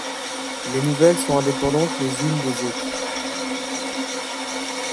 Les nouvelles sont indépendantes les unes des autres.